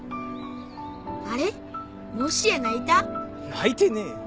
泣いてねえよ。